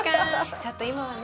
ちょっと今はね